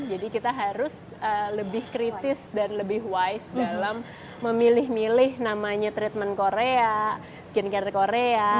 jadi kita harus lebih kritis dan lebih wise dalam memilih milih namanya treatment korea skincare korea